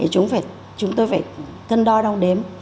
thì chúng tôi phải cân đo đong đếm